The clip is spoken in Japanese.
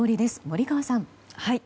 森川さん。